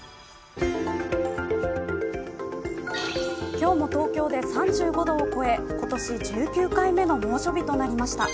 今日も東京で３５度を超え今年１９回目の猛暑日となりました。